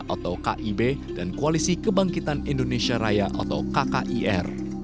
atau kib dan koalisi kebangkitan indonesia raya atau kkir